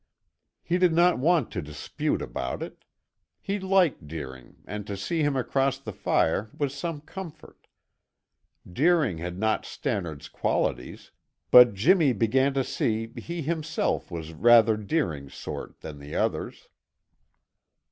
He did not want to dispute about it. He liked Deering and to see him across the fire was some comfort. Deering had not Stannard's qualities, but Jimmy began to see he himself was rather Deering's sort than the other's.